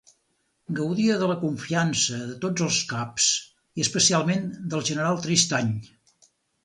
Gaudia de la confiança de tots els caps i especialment del general Tristany.